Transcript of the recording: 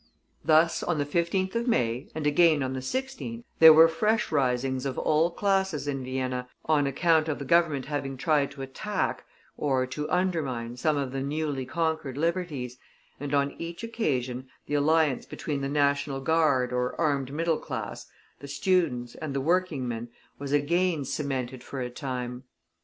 Thus on the 15th of May, and again on the 16th, there were fresh risings of all classes in Vienna, on account of the Government having tried to attack, or to undermine some of the newly conquered liberties, and on each occasion the alliance between the national guard or armed middle class, the students, and the workingmen, was again cemented for a time.